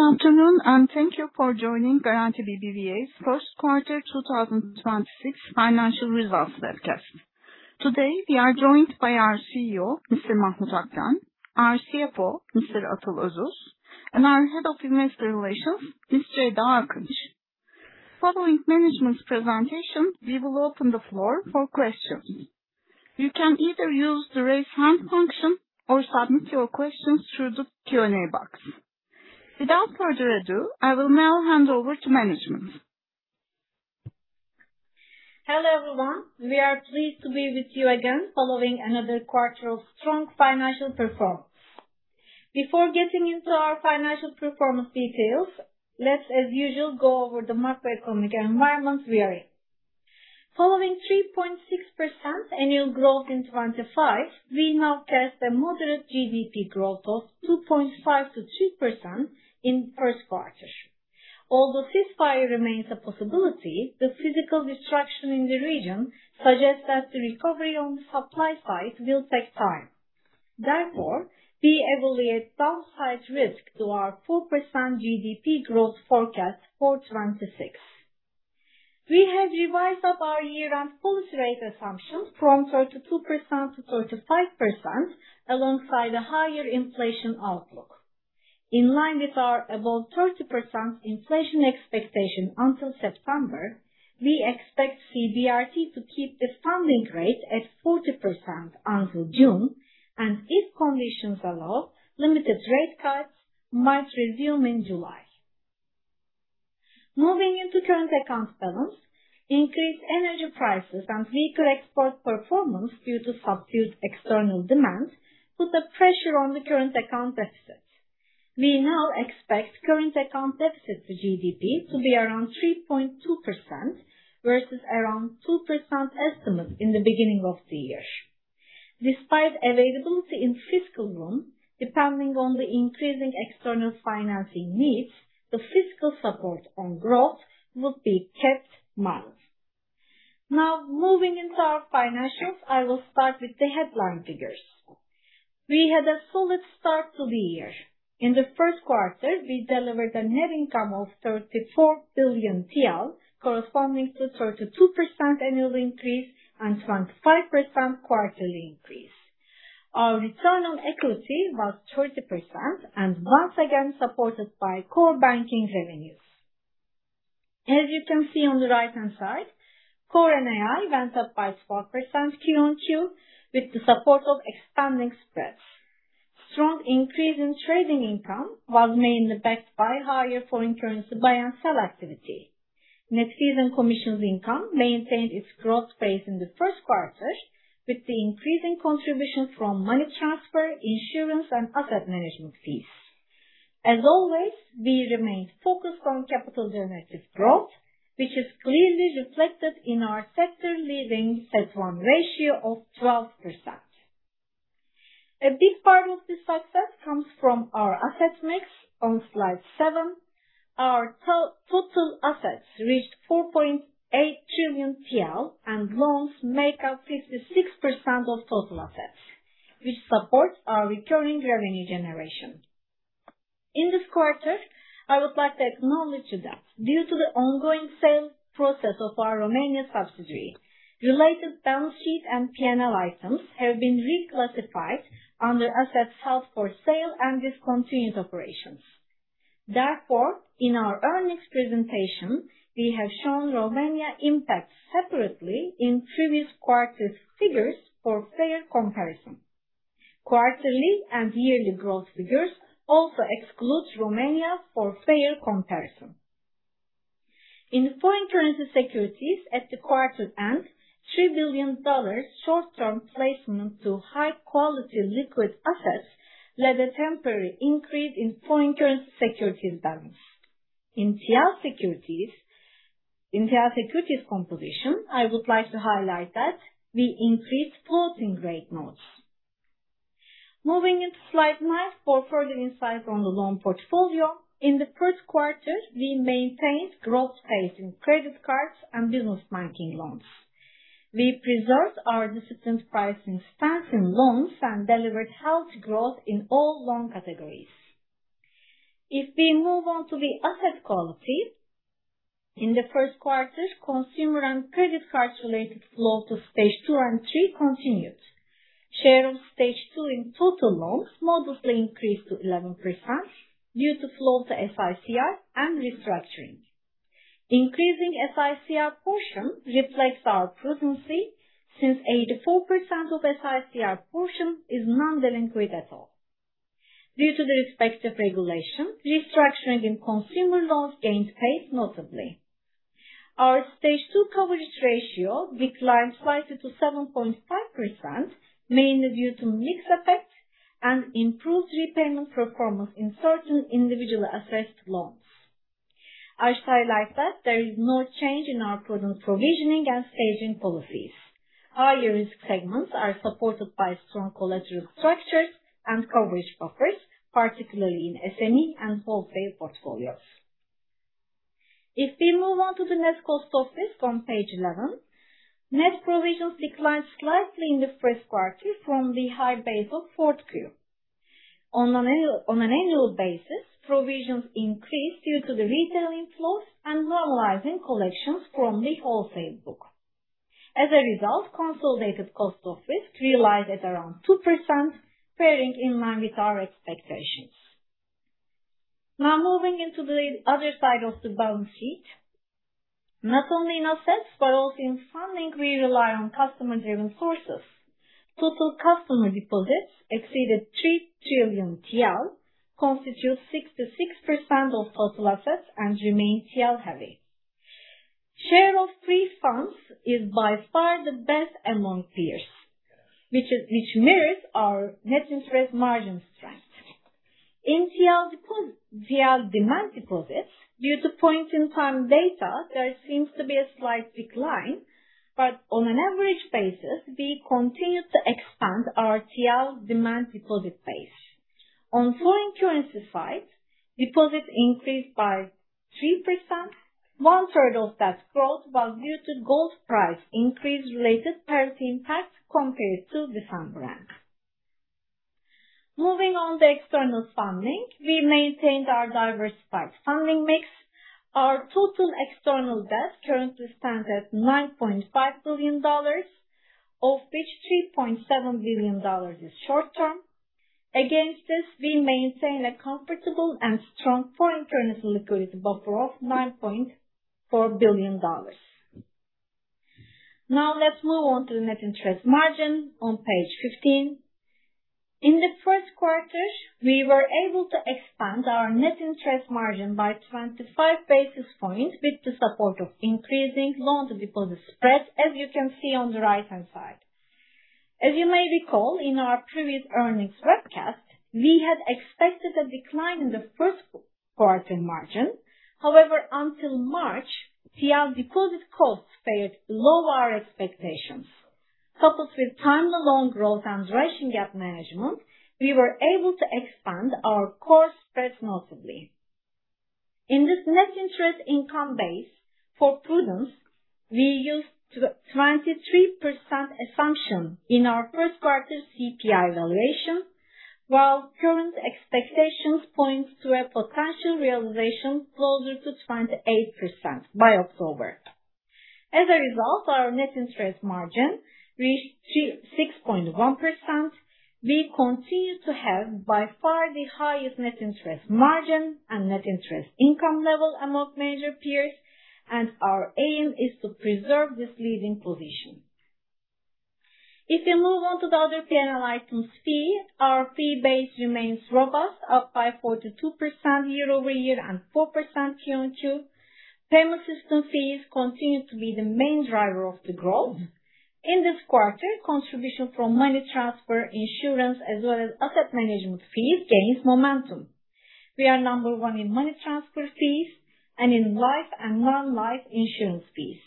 Good afternoon, and thank you for joining Garanti BBVA's Q1 2026 financial results webcast. Today, we are joined by our CEO, Mr. Mahmut Akten, our CFO, Mr. Atıl Özus, and our Head of Investor Relations, Mr. Ceyda Akınç. Following management's presentation, we will open the floor for questions. You can either use the Raise Hand function or submit your questions through the Q&A box. Without further ado, I will now hand over to management. Hello, everyone. We are pleased to be with you again following another quarter of strong financial performance. Before getting into our financial performance details, let's, as usual, go over the macroeconomic environment we are in. Following 3.6% annual growth in 2025, we now forecast a moderate GDP growth of 2.5%-3% in Q1. Although ceasefire remains a possibility, the physical destruction in the region suggests that the recovery on the supply side will take time. Therefore, we evaluate downside risk to our 4% GDP growth forecast for 2026. We have revised up our year-end policy rate assumptions from 32% to 35% alongside a higher inflation outlook. In line with our above 30% inflation expectation until September, we expect CBRT to keep the funding rate at 40% until June, and if conditions allow, limited rate cuts might resume in July. Moving into current account balance, increased energy prices and weaker export performance due to subdued external demand put the pressure on the current account deficit. We now expect current account deficit to GDP to be around 3.2% versus around 2% estimate in the beginning of the year. Despite availability in fiscal room, depending on the increasing external financing needs, the fiscal support on growth would be kept mild. Moving into our financials, I will start with the headline figures. We had a solid start to the year. In the Q1, we delivered a net income of 34 billion TL, corresponding to 32% annual increase and 25% quarterly increase. Our return on equity was 30% and once again supported by core banking revenues. As you can see on the right-hand side, core NII went up by 4% Q-on-Q with the support of expanding spreads. Strong increase in trading income was mainly backed by higher foreign currency buy and sell activity. Net fees and commissions income maintained its growth pace in the Q1 with the increasing contribution from money transfer, insurance, and asset management fees. As always, we remained focused on capital generative growth, which is clearly reflected in our sector-leading CET1 ratio of 12%. A big part of this success comes from our asset mix. On slide seven, our total assets reached 4.8 trillion TL, and loans make up 56% of total assets, which supports our recurring revenue generation. In this quarter, I would like to acknowledge that due to the ongoing sale process of our Romania subsidiary, related balance sheet and P&L items have been reclassified under assets held for sale and discontinued operations. Therefore, in our earnings presentation, we have shown Romania impacts separately in previous quarters' figures for fair comparison. Quarterly and yearly growth figures also excludes Romania for fair comparison. In foreign currency securities at the quarter end, $3 billion short-term placement to high-quality liquid assets led a temporary increase in foreign currency securities balance. In TL securities composition, I would like to highlight that we increased floating rate notes. Moving into slide nine for further insight on the loan portfolio. In the Q1, we maintained growth pace in credit cards and business banking loans. We preserved our disciplined pricing stance in loans and delivered healthy growth in all loan categories. If we move on to the asset quality, in the Q1, consumer and credit card-related flow to Stage 2 and Stage 3 continued. Share of Stage 2 in total loans modestly increased to 11% due to flow to SICR and restructuring. Increasing SICR portion reflects our prudency since 84% of SICR portion is non-delinquent at all. Due to the respective regulation, restructuring in consumer loans gained pace notably. Our Stage 2 coverage ratio declined slightly to 7.5%, mainly due to mix effects and improved repayment performance in certain individually assessed loans. I should highlight that there is no change in our prudent provisioning and staging policies. Higher-risk segments are supported by strong collateral structures and coverage buffers, particularly in SME and wholesale portfolios. If we move on to the net cost of risk on page 11, net provisions declined slightly in the Q1 from the high base of Q4. On an annual basis, provisions increased due to the retailing flows and normalizing collections from the wholesale book. As a result, consolidated cost of risk realized at around 2%, pairing in line with our expectations. Moving into the other side of the balance sheet. Not only in assets but also in funding, we rely on customer-driven sources. Total customer deposits exceeded 3 trillion TL, constitutes 66% of total assets and remain TRY heavy. Share of free funds is by far the best among peers, which mirrors our net interest margin strength. In TL demand deposits, due to point-in-time data, there seems to be a slight decline. On an average basis, we continue to expand our TL demand deposit base. On foreign currency side, deposits increased by 3%. One third of that growth was due to gold price increase related parity impact compared to the same brand. Moving on to external funding, we maintained our diversified funding mix. Our total external debt currently stands at $9.5 billion, of which $3.7 billion is short term. Against this, we maintain a comfortable and strong foreign currency liquidity buffer of $9.4 billion. Let's move on to the net interest margin on page 15. In the Q1, we were able to expand our net interest margin by 25 basis points with the support of increasing loan-to-deposit spread, as you can see on the right-hand side. As you may recall, in our previous earnings webcast, we had expected a decline in the Q1 margin. However, until March, TL deposit costs stayed below our expectations. Coupled with timely loan growth and duration gap management, we were able to expand our core spreads notably. In this net interest income base for prudence, we used 23% assumption in our Q1 CPI valuation, while current expectations point to a potential realization closer to 28% by October. As a result, our net interest margin reached 6.1%. We continue to have by far the highest net interest margin and net interest income level among major peers. Our aim is to preserve this leading position. If we move on to the other P&L items fee, our fee base remains robust, up by 42% year-over-year and 4% Q-on-Q. Payment system fees continue to be the main driver of the growth. In this quarter, contribution from money transfer, insurance, as well as asset management fees gains momentum. We are number 1 in money transfer fees and in life and non-life insurance fees.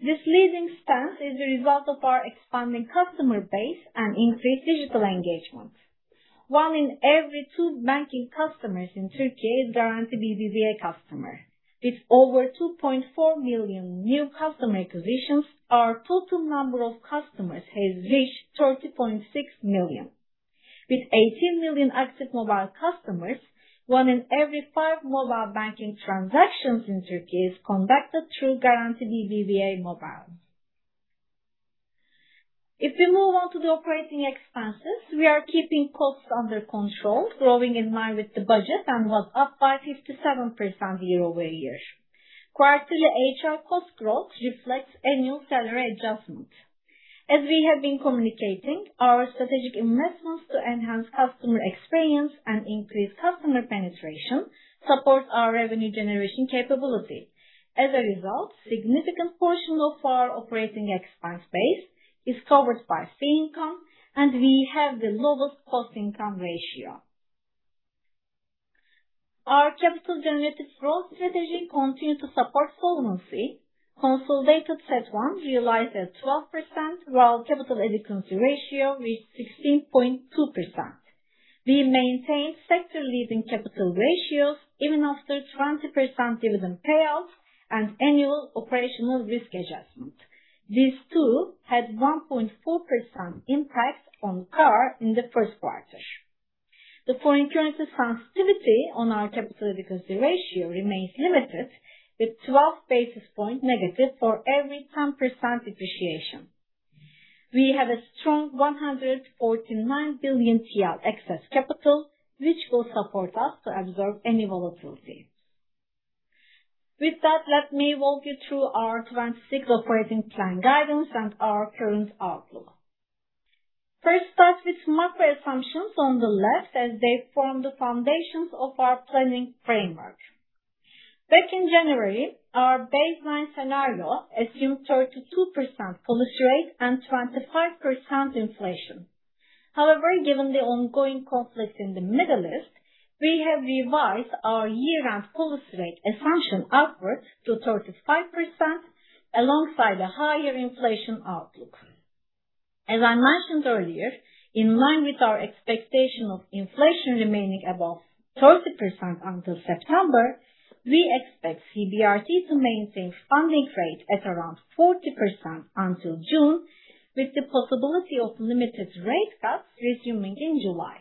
This leading stance is a result of our expanding customer base and increased digital engagement. 1 in every 2 banking customers in Turkey is Garanti BBVA customer. With over 2.4 million new customer acquisitions, our total number of customers has reached 30.6 million. With 18 million active mobile customers, one in every 5 mobile banking transactions in Turkey is conducted through Garanti BBVA Mobile. If we move on to the operating expenses, we are keeping costs under control, growing in line with the budget and was up by 57% year-over-year. Quarterly HR cost growth reflects a new salary adjustment. As we have been communicating, our strategic investments to enhance customer experience and increase customer penetration support our revenue generation capability. As a result, significant portion of our operating expense base is covered by fee income, and we have the lowest cost-income ratio. Our capital generative growth strategy continue to support solvency. Consolidated CET1 realized at 12%, while capital adequacy ratio reached 16.2%. We maintain sector-leading capital ratios even after 20% dividend payout and annual operational risk adjustment. These two had 1.4% impact on CAR in the Q1. The foreign currency sensitivity on our capital adequacy ratio remains limited with 12 basis point negative for every 10% depreciation. We have a strong 149 billion TL excess capital, which will support us to absorb any volatility. With that, let me walk you through our 2026 operating plan guidance and our current outlook. First, start with macro assumptions on the left as they form the foundations of our planning framework. Back in January, our baseline scenario assumed 32% policy rate and 25% inflation. Given the ongoing conflict in the Middle East, we have revised our year-end policy rate assumption upwards to 35% alongside a higher inflation outlook. As I mentioned earlier, in line with our expectation of inflation remaining above 30% until September, we expect CBRT to maintain funding rate at around 40% until June, with the possibility of limited rate cuts resuming in July.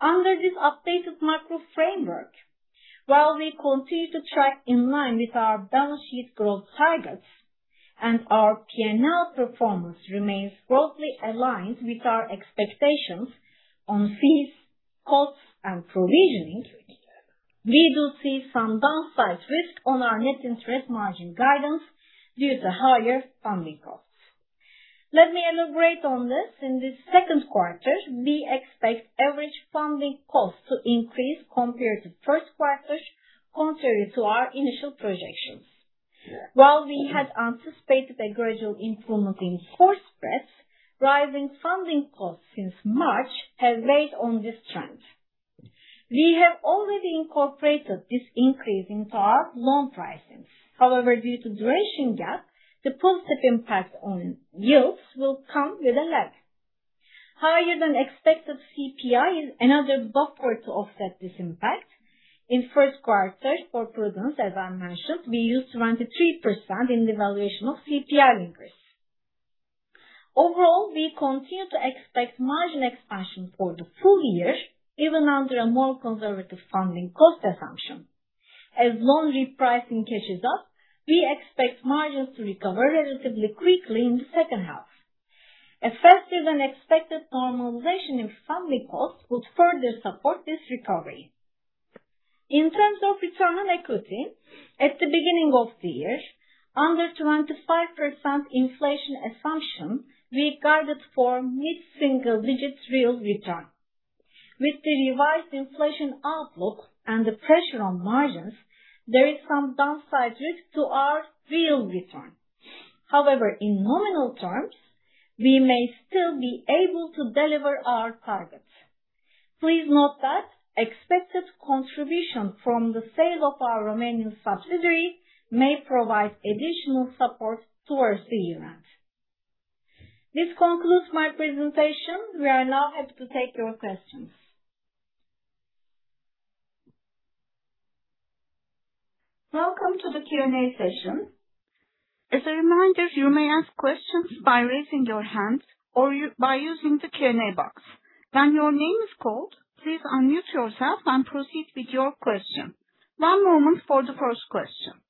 Under this updated macro framework, while we continue to track in line with our balance sheet growth targets and our P&L performance remains broadly aligned with our expectations on fees, costs, and provisionings, we do see some downside risk on our net interest margin guidance due to higher funding costs. Let me elaborate on this. In the Q2, we expect average funding costs to increase compared to Q1, contrary to our initial projections. While we had anticipated a gradual improvement in fourth spreads, rising funding costs since March have weighed on this trend. We have already incorporated this increase into our loan pricing. Due to duration gap, the positive impact on yields will come with a lag. Higher than expected CPI is another buffer to offset this impact. In Q1, for prudence, as I mentioned, we used 23% in the valuation of CPI increase. We continue to expect margin expansion for the full year, even under a more conservative funding cost assumption. Loan repricing catches up, we expect margins to recover relatively quickly in the second half. A faster than expected normalization in funding costs would further support this recovery. In terms of return on equity, at the beginning of the year, under 25% inflation assumption, we guided for mid-single digits real return. With the revised inflation outlook and the pressure on margins, there is some downside risk to our real return. However, in nominal terms, we may still be able to deliver our targets. Please note that expected contribution from the sale of our Romanian subsidiary may provide additional support towards the year-end. This concludes my presentation. We are now happy to take your questions. Welcome to the Q&A session. As a reminder, you may ask questions by raising your hands or by using the Q&A box. When your name is called, please unmute yourself and proceed with your question. One moment for the first question.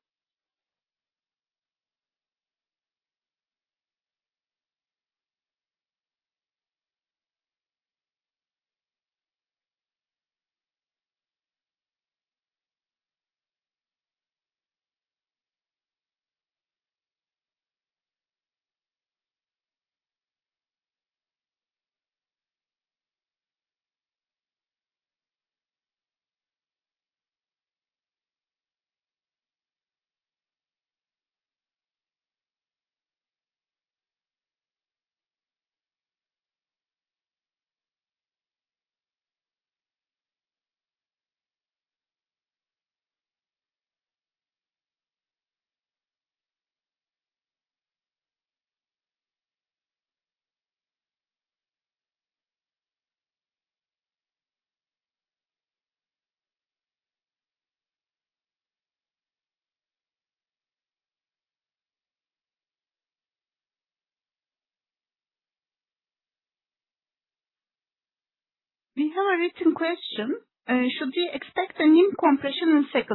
We have a written question. Should we expect a NIM compression in Q2?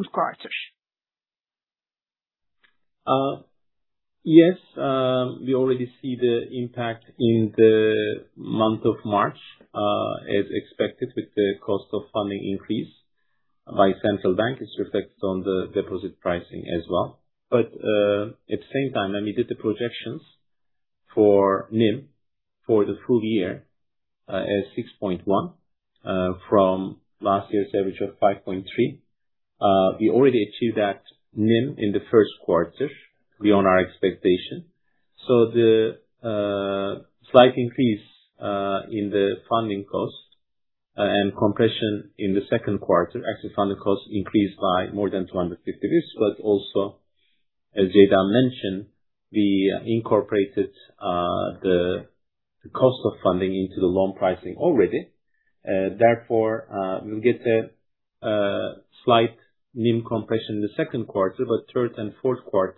Yes, we already see the impact in the month of March. As expected, with the cost of funding increase by central bank, it reflects on the deposit pricing as well. At the same time, and we did the projections for NIM for the full year, as 6.1% from last year's average of 5.3%. We already achieved that NIM in the Q1 beyond our expectation. The slight increase in the funding cost, and compression in the Q2 as the funding costs increased by more than 250 basis points. Also, as Ceyda mentioned, we incorporated the cost of funding into the loan pricing already. Therefore, we'll get a slight NIM compression in the Q2, but third and Q4,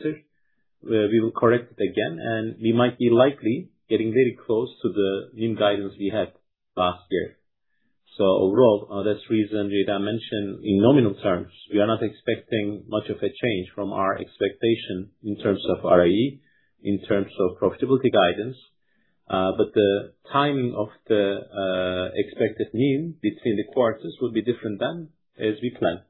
we will correct it again, and we might be likely getting very close to the NIM guidance we had last year. Overall, that's the reason Ceyda mentioned in nominal terms, we are not expecting much of a change from our expectation in terms of ROE, in terms of profitability guidance. The timing of the expected NIM between the quarters will be different than as we planned.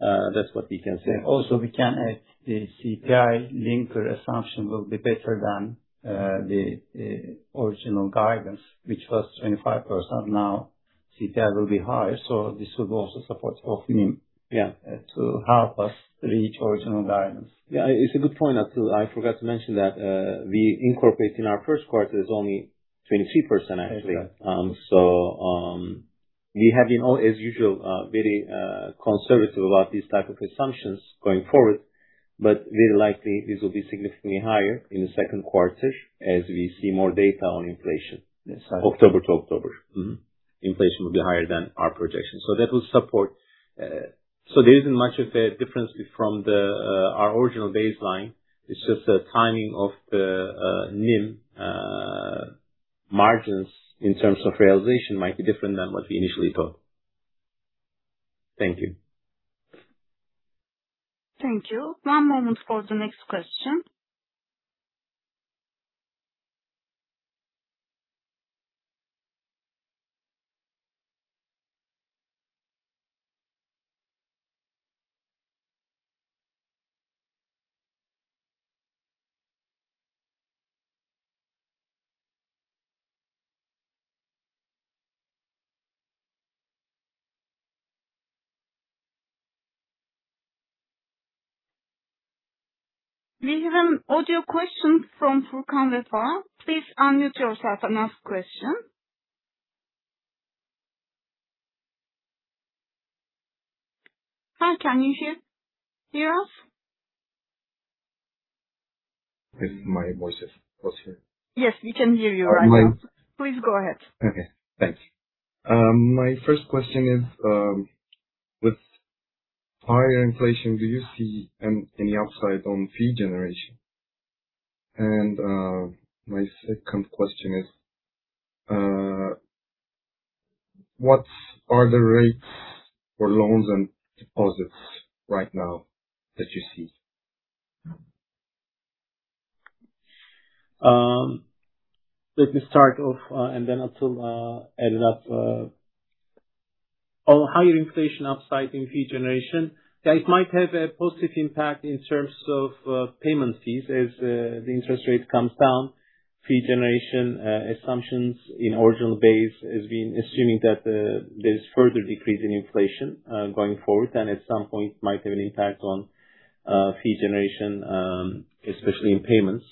That's what we can say. We can add the CPI linker assumption will be better than the original guidance, which was 25%. CPI will be higher, so this will also support of NIM. Yeah. To help us reach original guidance. Yeah, it's a good point. I forgot to mention that, we incorporate in our Q1 is only 23% actually. Exactly. We have been as usual, very conservative about these type of assumptions going forward. Very likely this will be significantly higher in the Q2 as we see more data on inflation. Yes. October to October. Mm-hmm. Inflation will be higher than our projections. There isn't much of a difference from the our original baseline. It's just the timing of the NIM margins in terms of realization might be different than what we initially thought. Thank you. Thank you. One moment for the next question. We have audio question from Furkan Vefa. Please unmute yourself and ask question. Furkan, you hear us? If my voice was heard. Yes, we can hear you right now. My- Please go ahead. Okay, thanks. My first question is, with higher inflation, do you see any upside on fee generation? My second question is, what are the rates for loans and deposits right now that you see? Let me start off, and then Atıl add it up. On higher inflation upside in fee generation. Yeah, it might have a positive impact in terms of payment fees as the interest rate comes down. Fee generation assumptions in original base has been assuming that there is further decrease in inflation going forward, and at some point might have an impact on fee generation especially in payments.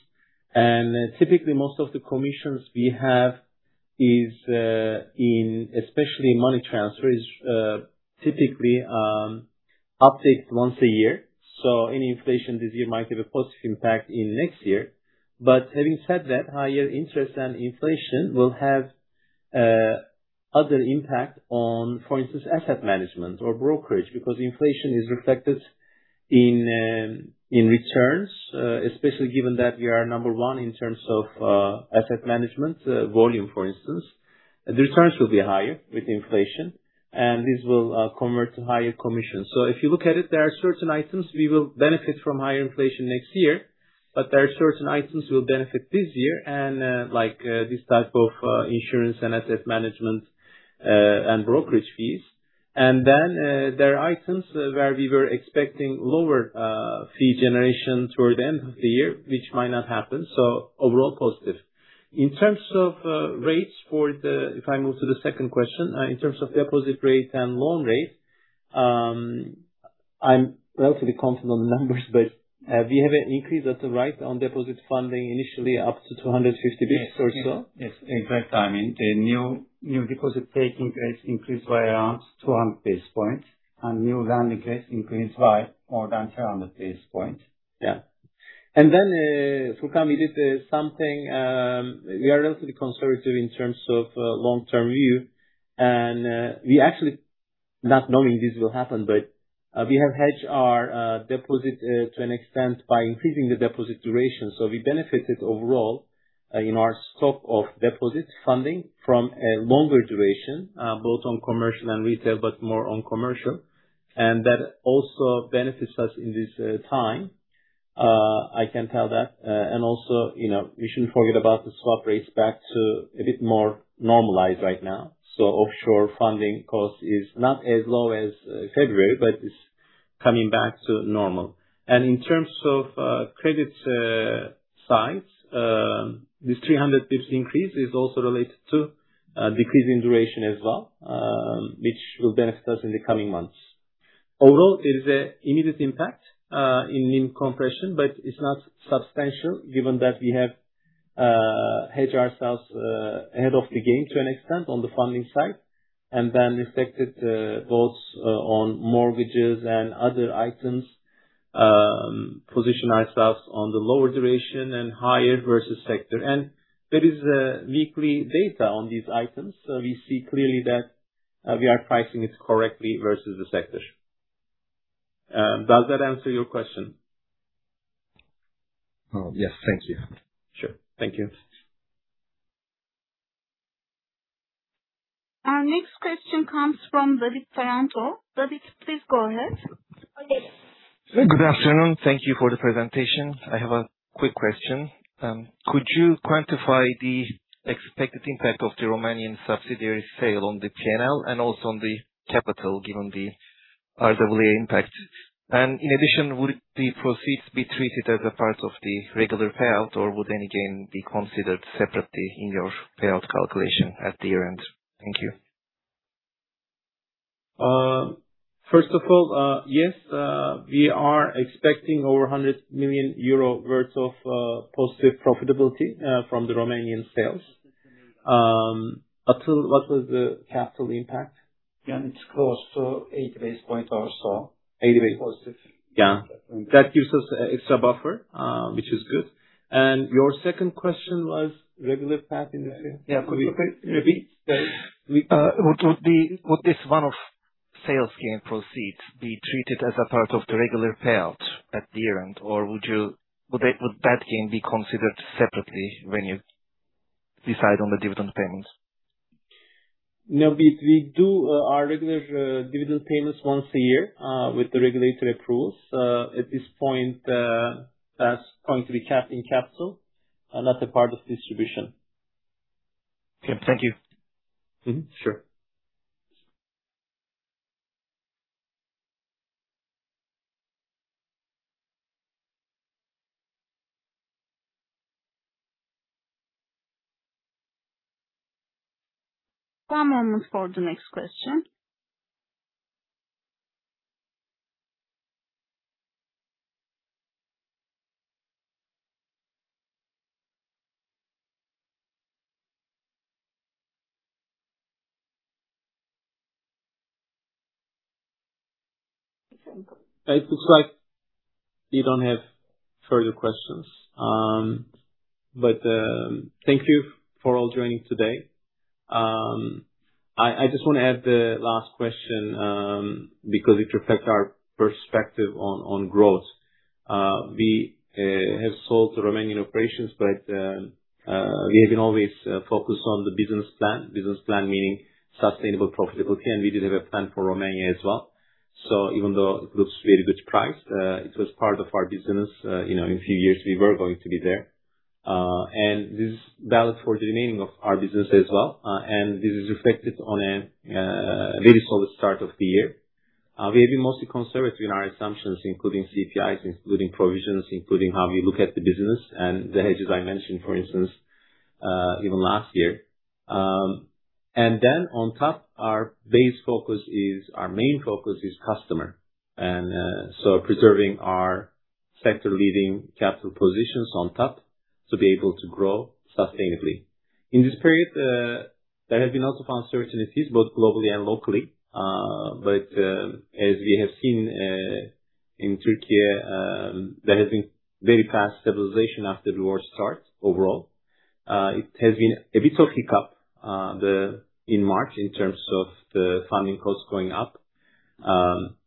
Typically, most of the commissions we have is in especially money transfers, typically updates once a year. Any inflation this year might have a positive impact in next year. Having said that, higher interest and inflation will have other impact on, for instance, asset management or brokerage. Because inflation is reflected in returns, especially given that we are number one in terms of asset management volume for instance. The returns will be higher with inflation, this will convert to higher commission. If you look at it, there are certain items we will benefit from higher inflation next year, but there are certain items we'll benefit this year and like this type of insurance and asset management and brokerage fees. Then there are items where we were expecting lower fee generation towards the end of the year, which might not happen, so overall positive. If I move to the second question. In terms of deposit rates and loan rates, I'm relatively confident on the numbers, but we have an increase that's right on deposit funding initially up to 250 basis or so. Yes. In fact, I mean, the new deposit-taking rates increased by around 200 basis points and new lending rates increased by more than 300 basis points. Yeah. Furkan, we did something, we are relatively conservative in terms of long-term view. We actually not knowing this will happen, but we have hedged our deposit to an extent by increasing the deposit duration. We benefited overall in our scope of deposits funding from a longer duration, both on commercial and retail, but more on commercial. That also benefits us in this time. I can tell that. You know, we shouldn't forget about the swap rates back to a bit more normalized right now. Offshore funding cost is not as low as February, but it's coming back to normal. In terms of credit sides, this 300 basis increase is also related to decreasing duration as well, which will benefit us in the coming months. Overall, it is an immediate impact in NIM compression, but it's not substantial given that we have hedged ourselves ahead of the game to an extent on the funding side, and then reflected both on mortgages and other items. Position ourselves on the lower duration and higher versus sector. There is weekly data on these items. We see clearly that we are pricing it correctly versus the sector. Does that answer your question? Yes. Thank you. Sure. Thank you. Our next question comes from David Ferrante. David, please go ahead. Good afternoon. Thank you for the presentation. I have a quick question. Could you quantify the expected impact of the Romanian subsidiary sale on the P&L and also on the capital, given the RWA impact? In addition, would the proceeds be treated as a part of the regular payout or would any gain be considered separately in your payout calculation at the year-end? Thank you. First of all, yes, we are expecting over 100 million euro worth of positive profitability from the Romanian sales. Atıl, what was the capital impact? Yeah, it's close to 80 basis points or so. 80 basis positive. Yeah. That gives us extra buffer, which is good. Your second question was? Regular payout in the. Yeah. Could you repeat? Would this one-off sales gain proceeds be treated as a part of the regular payout at the end, or would that gain be considered separately when you decide on the dividend payment? No. We do our regular dividend payments once a year with the regulatory approvals. At this point, that's going to be kept in capital and not a part of distribution. Okay. Thank you. Mm-hmm. Sure. One moment for the next question. It looks like we don't have further questions. Thank you for all joining today. I just wanna add the last question because it reflects our perspective on growth. We have sold the Romanian operations, but we have been always focused on the business plan. Business plan meaning sustainable profitability, we did have a plan for Romania as well. Even though it looks very good priced, it was part of our business. You know, in a few years we were going to be there. This is valid for the remaining of our business as well. This is reflected on a very solid start of the year. We have been mostly conservative in our assumptions, including CPIs, including provisions, including how we look at the business and the hedges I mentioned, for instance, even last year. On top, our main focus is customer and preserving our sector leading capital positions on top to be able to grow sustainably. In this period, there have been a lot of uncertainties, both globally and locally. As we have seen, in Turkey, there has been very fast stabilization after the war start overall. It has been a bit of hiccup, in March in terms of the funding costs going up,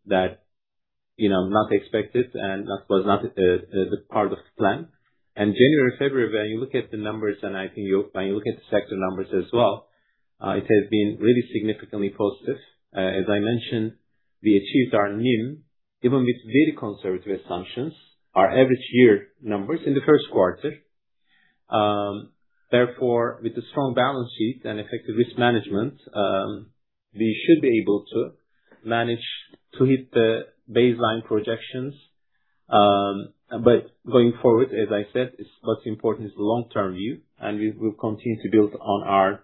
that, you know, not expected and that was not the part of the plan. January, February, when you look at the numbers, I think when you look at the sector numbers as well, it has been really significantly positive. As I mentioned, we achieved our NIM even with very conservative assumptions, our average year numbers in the Q1. Therefore, with a strong balance sheet and effective risk management, we should be able to manage to hit the baseline projections. Going forward, as I said, what's important is the long-term view, we will continue to build on our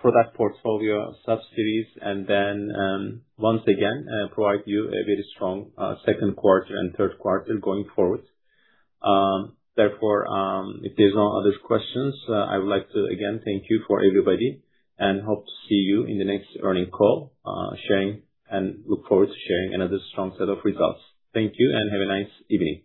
product portfolio subsidies and then, once again, provide you a very strong Q2 and Q3 going forward. If there's no other questions, I would like to, again, thank you for everybody and hope to see you in the next earning call, sharing, and look forward to sharing another strong set of results. Thank you, and have a nice evening.